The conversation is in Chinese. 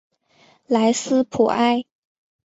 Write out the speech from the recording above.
莱斯普埃。